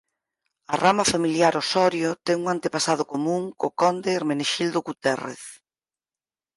A rama familiar Osorio ten un antepasado común co conde Hermenexildo Guterrez.